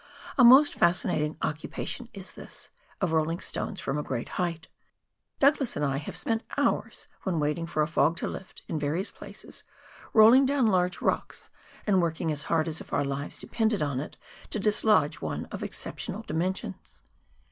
A most fascinating occupation is this, of rolling stones from a great height. Douglas and I have spent hours, when waiting for a fog to lift, in various places, rolling down large rocks, and working as hard as if our lives depended on it, to dislodge one of excep tional dimensions.